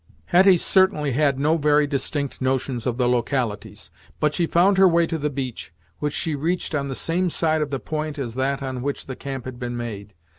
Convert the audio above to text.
Hetty certainly had no very distinct notions of the localities, but she found her way to the beach, which she reached on the same side of the point as that on which the camp had been made.